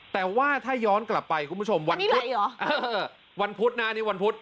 แต่ว่าถ้าย้อนกลับไปคุณผู้ชมอันนี้ไหลเหรอเออวันพุธนะอันนี้วันพุธ